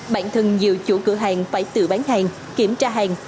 bản thân nhiều chủ cửa hàng phải tự bán hàng kiểm tra hàng